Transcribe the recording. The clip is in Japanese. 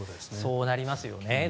そうなりますね。